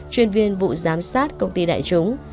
chuyên viên vụ giám sát công ty đại chúng